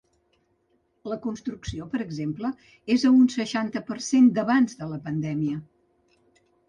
La construcció, per exemple, és a un seixanta per cent d’abans de la pandèmia.